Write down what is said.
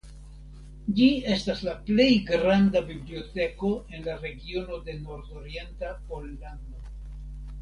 Ĝi estas la plej granda biblioteko en la regiono de nordorienta Pollando.